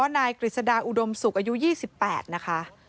นายกฤษดาอุดมศุกร์อายุ๒๘นะคะ